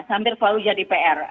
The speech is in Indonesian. hampir selalu jadi pr